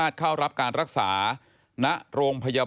พบหน้าลูกแบบเป็นร่างไร้วิญญาณ